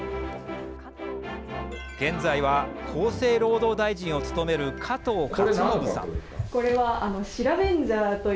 現在は厚生労働大臣を務める加藤勝信さん。